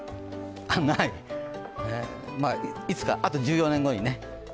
ない、いつか、あと１４年後にね。